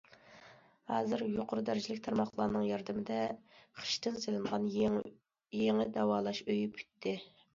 ھازىر يۇقىرى دەرىجىلىك تارماقلارنىڭ ياردىمىدە، خىشتىن سېلىنغان يېڭى داۋالاش ئۆيى پۈتتى.